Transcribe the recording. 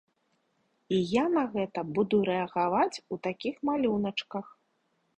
І я на гэта буду рэагаваць у такіх малюначках.